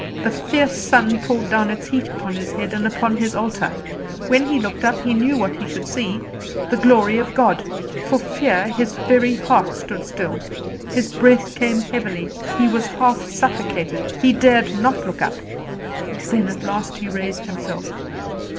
The fierce sun poured down its heat upon his head and upon his altar. When he looked up he knew what he should see the glory of God! For fear his very heart stood still, his breath came heavily; he was half suffocated. He dared not look up. Then at last he raised himself.